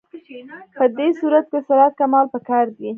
په دې صورت کې سرعت کمول پکار دي